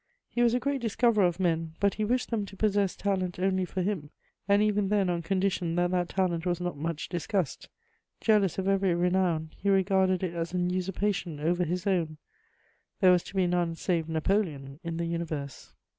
He was a great discoverer of men: but he wished them to possess talent only for him, and even then on condition that that talent was not much discussed; jealous of every renown, he regarded it as an usurpation over his own: there was to be none save Napoleon in the universe.